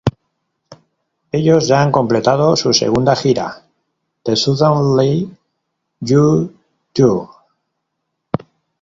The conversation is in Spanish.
Ellos ya han completado su segunda gira "The Suddenly Yours Tour".